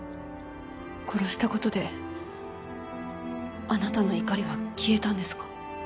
殺したことであなたの怒りは消えたんですか？